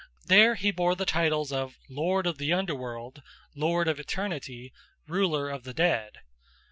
There he bore the titles of Lord of the Underworld, Lord of Eternity, Ruler of the Dead.